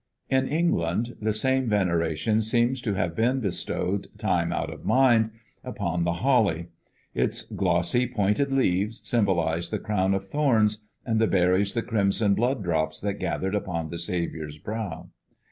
In England, the same veneration seems to have been bestowed, time out of mind, upon the holly. Its glossy, pointed leaves symbolize the crown of thorns, and the berries the crimson blood drops that gathered upon the Saviour's brow.